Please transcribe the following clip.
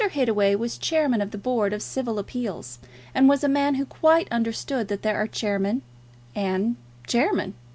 Hittaway was Chairman of the Board of Civil Appeals, and was a man who quite understood that there are chairmen and chairmen.